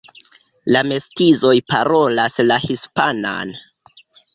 La mestizoj parolas la hispanan.